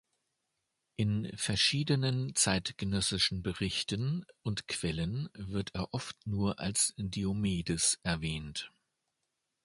In verschiedenen zeitgenössischen Berichten und Quellen wird er oft nur als Diomedes erwähnt.